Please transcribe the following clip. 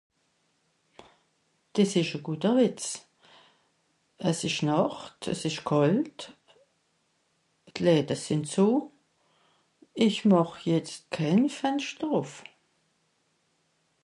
C'est une bonne blague ; il fait nuit, il fait froid : les volets sont fermés...Je vais pas ouvrir une fenêtre...